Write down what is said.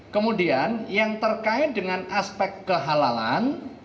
kemudian yang terkait dengan aspek kehalalan